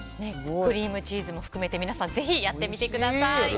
クリームチーズも含めて皆さん、ぜひやってみてください。